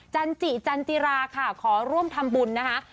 จันจิจันจิราค่ะขอร่วมทำบุญนะคะ